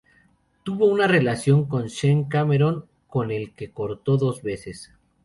Tuvo una relación con "Sean Cameron", con el que cortó dos veces.